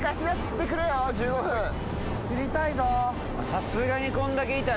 ・さすがにこんだけいたら。